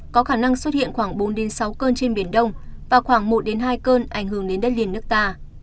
có khả năng xuất hiện khoảng bốn sáu cơn trên biển đông và khoảng một hai cơn ảnh hưởng đến đất liền nước ta